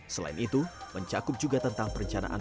selain itu mencakup juga tentang perencanaan